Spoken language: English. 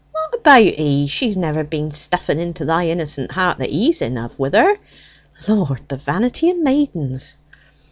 "What about he? She's never been stuffing into thy innocent heart that he's in hove with her? Lord, the vanity o' maidens!"